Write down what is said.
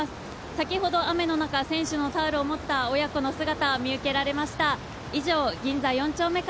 先ほど雨の中、選手のタオルを持った親子の姿見受けられました。